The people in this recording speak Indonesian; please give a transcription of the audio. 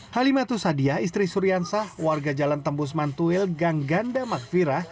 halimatu sadia istri suriansah warga jalan tembus mantuil gang ganda makfira